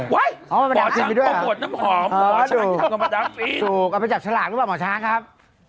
เห้ยหมอช้างประบวนน้ำหอมหมอช้างกลับมาดังฟีนถูกเอาไปจับฉลากรึเปล่าหมอช้างครับ